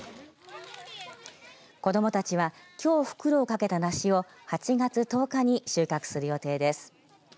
子どもたちはきょう袋をかけた梨を８月１０日に収穫する予定です。